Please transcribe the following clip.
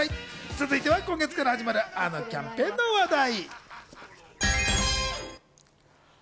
続いては今月から始まるあのキャンペーンの話題。